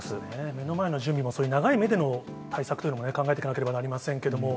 目の前の準備もそういう長い目での対策というのも考えていかなければなりませんけれども。